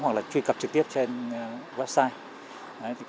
hoặc truy cập trực tiếp trên website